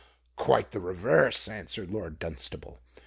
"Quite the reverse," answered Lord Dunstable.